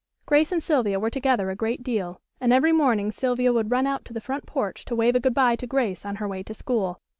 Grace and Sylvia were together a great deal, and every morning Sylvia would run out to the front porch to wave a good bye to Grace on her way to school.